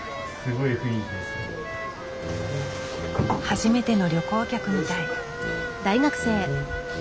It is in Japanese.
初めての旅行客みたい。